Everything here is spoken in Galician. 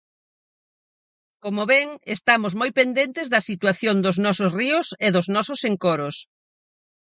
Como ven, estamos moi pendentes da situación dos nosos ríos e dos nosos encoros.